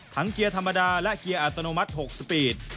เกียร์ธรรมดาและเกียร์อัตโนมัติ๖สปีด